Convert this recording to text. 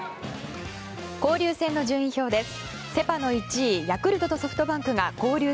交流戦の順位表です。